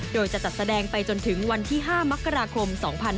โดยจะจัดแสดงไปจนถึงวันที่๕มกราคม๒๕๕๙